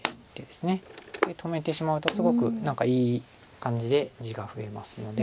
で止めてしまうとすごく何かいい感じで地が増えますので。